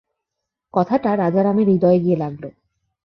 কথাটা রাজারামের হৃদয়ে গিয়ে লাগল।